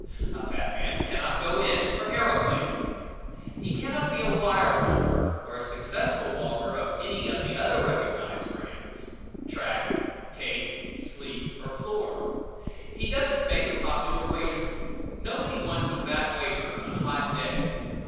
A fat man cannot go in for aeroplaning. He cannot be a wire walker or a successful walker of any of the other recognized brands track, cake, sleep or floor. He doesn't make a popular waiter. Nobody wants a fat waiter on a hot day.